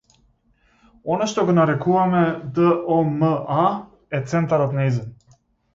Она што го нарекуваме д о м а, е центарот нејзин.